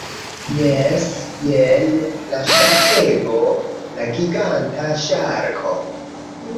Jes. Jen la ŝarkego. La giganta ŝarko.